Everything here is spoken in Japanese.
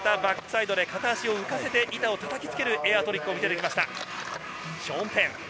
バックサイドで片足を浮かせて板を叩きつけるトリックを見せました。